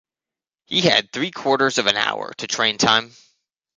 He had three-quarters of an hour to train-time.